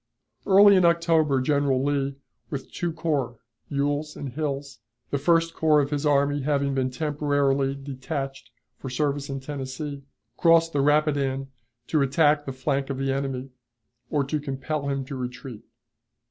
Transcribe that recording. Early in October General Lee, with two corps (Ewell's and Hill's), the First Corps of his army having been temporarily detached for service in Tennessee, crossed the Rapidan to attack the flank of the enemy, or to compel him to retreat.